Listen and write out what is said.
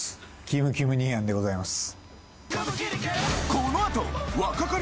キムキム兄やんでございます。